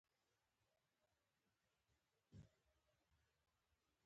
زه ډاډه وم چې يوه حللاره شته.